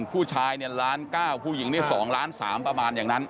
ผู้ชายเนี่ยล้าน๙ผู้หญิงนี่๒ล้าน๓ประมาณอย่างนั้น